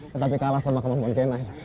tetapi kalah sama kemampuan k sembilan